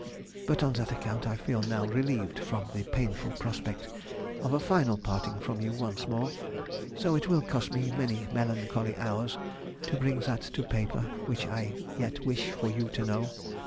But on that account I feel now relieved from the painful prospect of a final parting from you once more, though it will cost me many melancholy hours to bring that to paper which I yet wish for you to know.